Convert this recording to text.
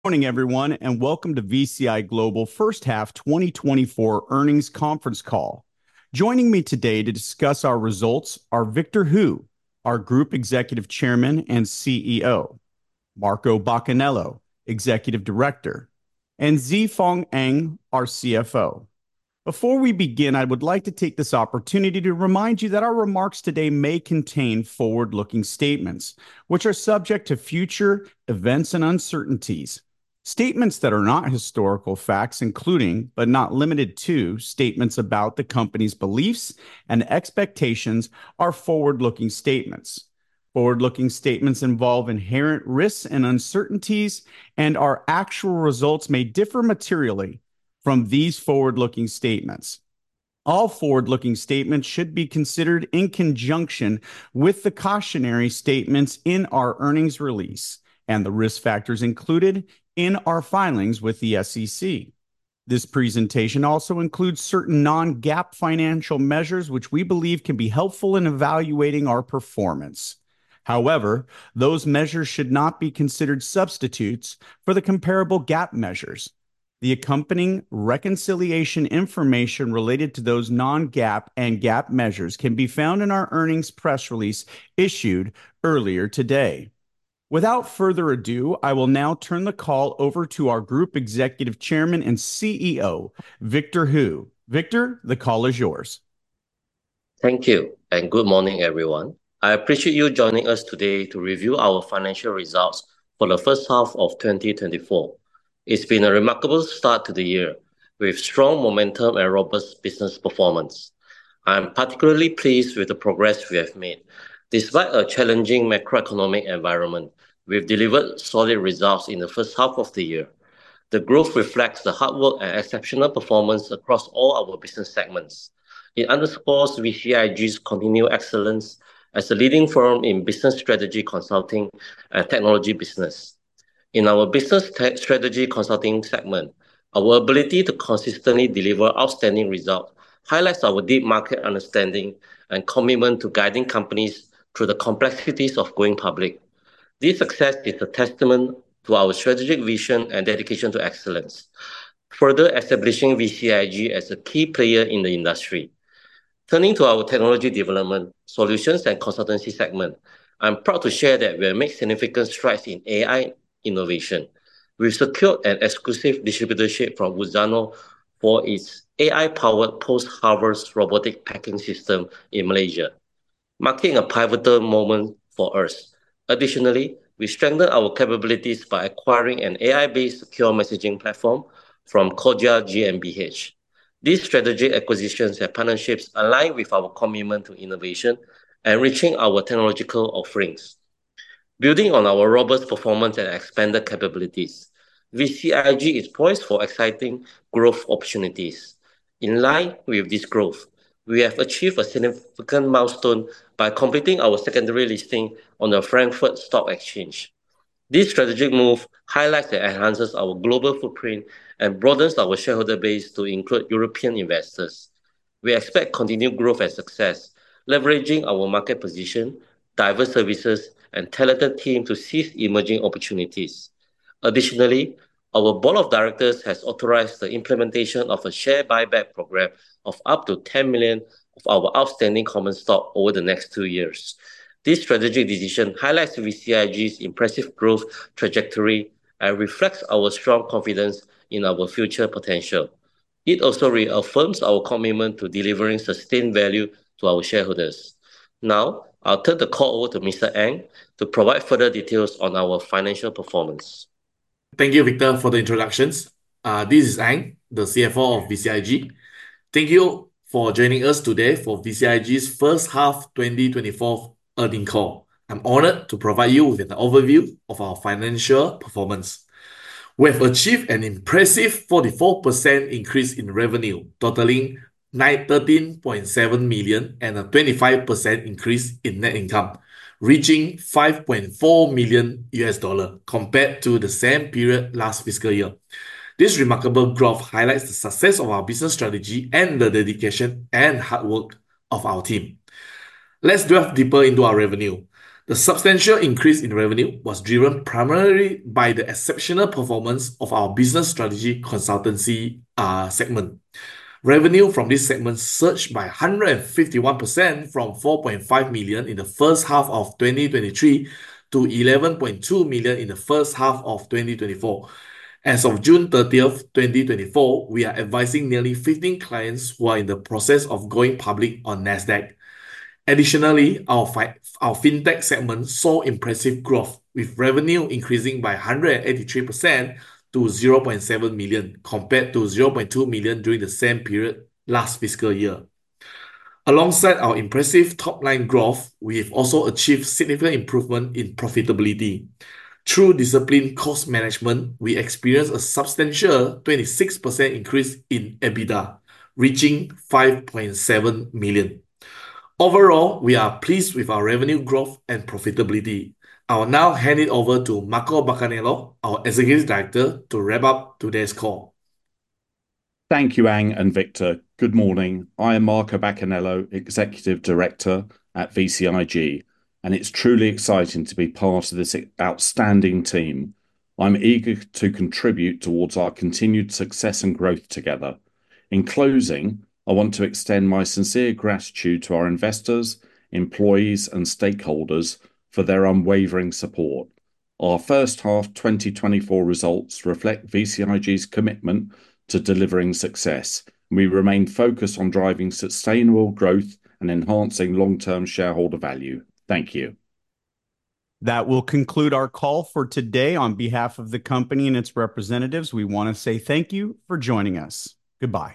Morning, everyone, and welcome to VCI Global's first half 2024 earnings conference call. Joining me today to discuss our results are Victor Hoo, our Group Executive Chairman and CEO, Marco Baccanello, Executive Director, and Zhi Feng Ang, our CFO. Before we begin, I would like to take this opportunity to remind you that our remarks today may contain forward-looking statements, which are subject to future events and uncertainties. Statements that are not historical facts, including, but not limited to, statements about the company's beliefs and expectations, are forward-looking statements. Forward-looking statements involve inherent risks and uncertainties, and our actual results may differ materially from these forward-looking statements. All forward-looking statements should be considered in conjunction with the cautionary statements in our earnings release and the risk factors included in our filings with the SEC. This presentation also includes certain non-GAAP financial measures, which we believe can be helpful in evaluating our performance. However, those measures should not be considered substitutes for the comparable GAAP measures. The accompanying reconciliation information related to those non-GAAP and GAAP measures can be found in our earnings press release issued earlier today. Without further ado, I will now turn the call over to our Group Executive Chairman and CEO, Victor Hoo. Victor, the call is yours. Thank you, and good morning, everyone. I appreciate you joining us today to review our financial results for the first half of twenty twenty-four. It's been a remarkable start to the year, with strong momentum and robust business performance. I'm particularly pleased with the progress we have made. Despite a challenging macroeconomic environment, we've delivered solid results in the first half of the year. The growth reflects the hard work and exceptional performance across all our business segments. It underscores VCIG's continued excellence as a leading firm in business strategy consulting and technology business. In our business strategy consulting segment, our ability to consistently deliver outstanding results highlights our deep market understanding and commitment to guiding companies through the complexities of going public. This success is a testament to our strategic vision and dedication to excellence, further establishing VCIG as a key player in the industry. Turning to our technology development, solutions, and consultancy segment, I'm proud to share that we have made significant strides in AI innovation. We've secured an exclusive distributorship from Wootzano for its AI-powered post-harvest robotic packing system in Malaysia, marking a pivotal moment for us. Additionally, we strengthened our capabilities by acquiring an AI-based secure messaging platform from Cogia GmbH. These strategic acquisitions and partnerships align with our commitment to innovation, enriching our technological offerings. Building on our robust performance and expanded capabilities, VCIG is poised for exciting growth opportunities. In line with this growth, we have achieved a significant milestone by completing our secondary listing on the Frankfurt Stock Exchange. This strategic move highlights and enhances our global footprint and broadens our shareholder base to include European investors. We expect continued growth and success, leveraging our market position, diverse services, and talented team to seize emerging opportunities. Additionally, our board of directors has authorized the implementation of a share buyback program of up to 10 million of our outstanding common stock over the next two years. This strategic decision highlights VCIG's impressive growth trajectory and reflects our strong confidence in our future potential. It also reaffirms our commitment to delivering sustained value to our shareholders. Now, I'll turn the call over to Mr. Ang to provide further details on our financial performance. Thank you, Victor, for the introductions. This is Ang, the CFO of VCIG. Thank you for joining us today for VCIG's first half 2024 earnings call. I'm honored to provide you with an overview of our financial performance. We have achieved an impressive 44% increase in revenue, totaling $913.7 million, and a 25% increase in net income, reaching $5.4 million, compared to the same period last fiscal year. This remarkable growth highlights the success of our business strategy and the dedication and hard work of our team. Let's delve deeper into our revenue. The substantial increase in revenue was driven primarily by the exceptional performance of our business strategy consultancy segment. Revenue from this segment surged by 151%, from $4.5 million in the first half of 2023 to $11.2 million in the first half of 2024. As of June 30th, 2024, we are advising nearly 15 clients who are in the process of going public on Nasdaq. Additionally, our Fintech segment saw impressive growth, with revenue increasing by 183% to $0.7 million, compared to $0.2 million during the same period last fiscal year. Alongside our impressive top-line growth, we have also achieved significant improvement in profitability. Through disciplined cost management, we experienced a substantial 26% increase in EBITDA, reaching $5.7 million. Overall, we are pleased with our revenue growth and profitability. I will now hand it over to Marco Baccanello, our Executive Director, to wrap up today's call. Thank you, Ang and Victor. Good morning. I am Marco Baccanello, Executive Director at VCIG, and it's truly exciting to be part of this outstanding team. I'm eager to contribute towards our continued success and growth together. In closing, I want to extend my sincere gratitude to our investors, employees, and stakeholders for their unwavering support. Our first half 2024 results reflect VCIG's commitment to delivering success, and we remain focused on driving sustainable growth and enhancing long-term shareholder value. Thank you. That will conclude our call for today. On behalf of the company and its representatives, we want to say thank you for joining us. Goodbye.